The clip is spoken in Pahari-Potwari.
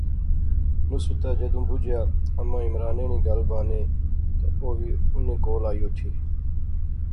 نصرتا جیدوں بجیا اماں عمرانے نی گل بانے تے او وی انیں کول آئی اوٹھی